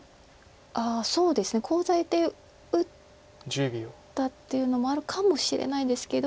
ああそうですねコウ材で打ったっていうのもあるかもしれないですけど。